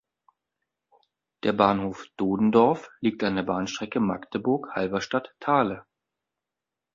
Der Bahnhof "Dodendorf" liegt an der Bahnstrecke Magdeburg–Halberstadt–Thale.